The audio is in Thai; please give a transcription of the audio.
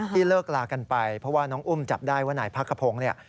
เลิกลากันไปเพราะว่าน้องอุ้มจับได้ว่านายพักขพงศ์เนี่ย